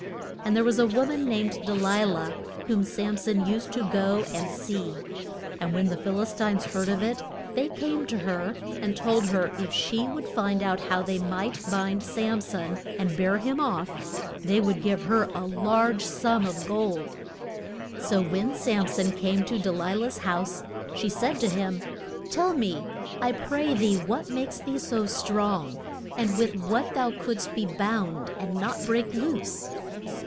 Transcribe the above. And there was a wo man named De li lah whom Sam son used to go and see. And when the Phil is tines heard of it they came to her and told her if she would find out how they might bind Sam son and bear him off, they would give her a large sum of gold. So when Sam son came to De li lah's house she said to him, Tell me, I pray thee what makes thee so strong, and with what thou couldst be bound and not break loose?